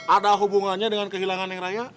ada hubungannya dengan kehilangan yang raya